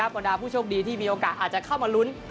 บรรดาผู้โชคดีที่มีโอกาสอาจจะเข้ามาลุ้น